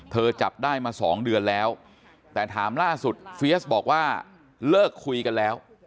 จับได้มา๒เดือนแล้วแต่ถามล่าสุดเฟียสบอกว่าเลิกคุยกันแล้ว